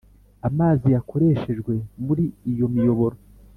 Amazi yakoreshejwe muri iyo miyoboro